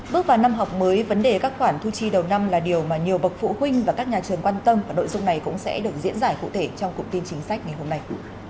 bước vào năm học mới vấn đề các khoản thu chi đầu năm là điều mà nhiều bậc phụ huynh và các nhà trường quan tâm và nội dung này cũng sẽ được diễn giải cụ thể trong cụm tin chính sách ngày hôm nay